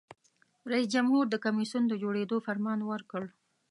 جمهور رئیس د کمیسیون د جوړیدو فرمان ورکړ.